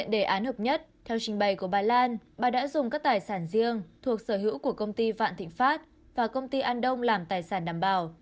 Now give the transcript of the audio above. đề án hợp nhất theo trình bày của bà lan bà đã dùng các tài sản riêng thuộc sở hữu của công ty vạn thịnh pháp và công ty an đông làm tài sản đảm bảo